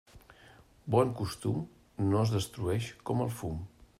Bon costum, no es destrueix com el fum.